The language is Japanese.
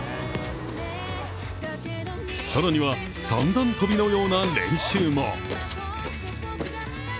更には、三段跳びのような練習も。